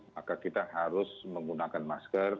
maka kita harus menggunakan masker